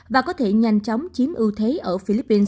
và có thể nhanh chóng chiếm ưu thế ở philippines